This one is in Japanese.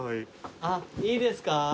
あっいいですか？